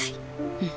うん。